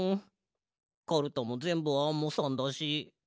かるたもぜんぶアンモさんだし。